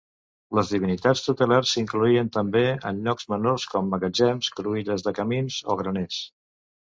Les divinitats tutelars s'incloïen també en llocs menors, com magatzems, cruïlles de camins o graners.